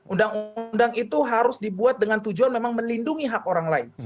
undang undang itu harus dibuat dengan tujuan memang melindungi hak orang lain